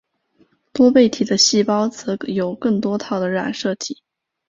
多倍体的细胞则有更多套的染色体。